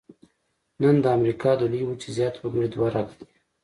نن د امریکا د لویې وچې زیات وګړي دوه رګه دي.